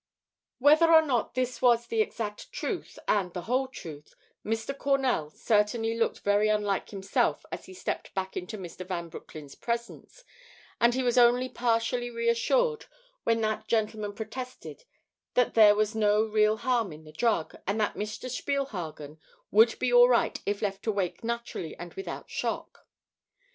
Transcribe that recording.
Whether or not this was the exact truth and the whole truth, Mr. Cornell certainly looked very unlike himself as he stepped back into Mr. Van Broecklyn's presence; and he was only partially reassured when that gentleman protested that there was no real harm in the drug, and that Mr. Spielhagen would be all right if left to wake naturally and without shock.